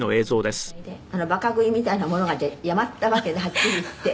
「馬鹿食いみたいなものがじゃあやまったわけねはっきり言って」